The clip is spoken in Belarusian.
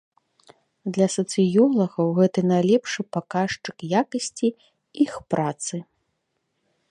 Для сацыёлагаў гэта найлепшы паказчык якасці іх працы.